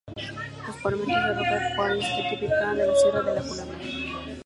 Los paramentos de roca cuarcita típica de la sierra de la culebra.